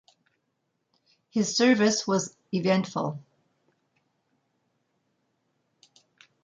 His service was eventful.